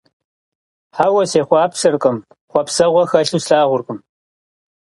Хьэуэ, сехъуапсэркъым, хъуэпсэгъуэ хэлъу слъагъуркъым.